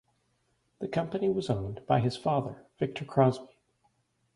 This company was owned by his father, Victor Crossby.